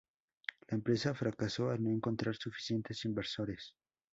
La empresa fracasó al no encontrar suficientes inversores.